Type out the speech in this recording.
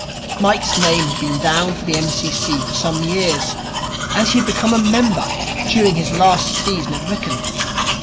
Mike's name had been down for the M.C.C. for some years, and he had become a member during his last season at Wrykyn.